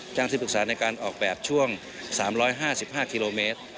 จ้างที่ปรึกษาในการออกแบบช่วงสามร้อยห้าสิบห้าคิโลเมตร